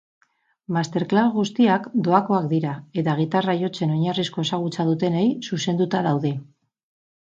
Masterclass guztiak doakoak dira eta gitarra jotzen oinarrizko ezagutza dutenei zuzenduta daude.